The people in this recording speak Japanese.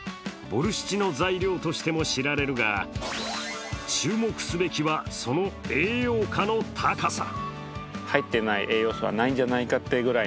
ボルシチの材料としても知られるが、注目すべきは、その栄養価の高さ。